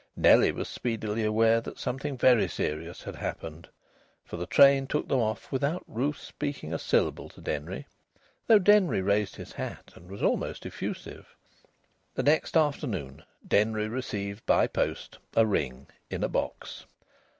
Nellie was speedily aware that something very serious had happened, for the train took them off without Ruth speaking a syllable to Denry, though Denry raised his hat and was almost effusive. The next afternoon Denry received by post a ring in a box.